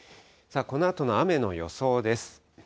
このあとの雨の予想です。